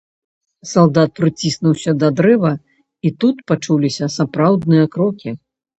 Салдат прыціснуўся да дрэва, і тут пачуліся сапраўдныя крокі.